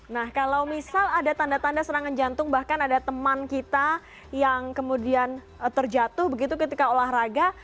nah kalau misal ada tanda tanda serangan jantung bahkan ada teman kita yang kemudian terjatuh begitu ketika olahraga